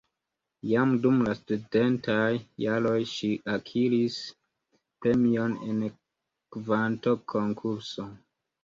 Jam dum la studentaj jaroj ŝi akiris premion en kantokonkurso.